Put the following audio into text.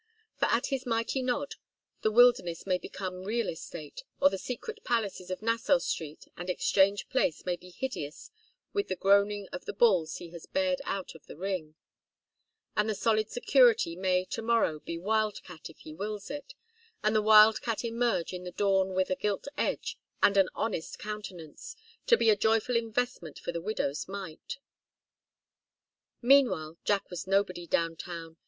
For at his mighty nod the wilderness may become real estate, or the secret places of Nassau Street and Exchange Place may be hideous with the groaning of the bulls he has beared out of the ring and the solid security may to morrow be wild cat if he wills it, and the wild cat emerge in the dawn with a gilt edge and an honest countenance, to be a joyful investment for the widow's mite. Meanwhile, Jack was nobody down town.